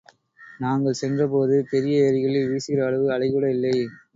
நாங்கள் சென்றபோது பெரிய ஏரிகளில் வீசுகிற அளவு அலைகூட இல்லை.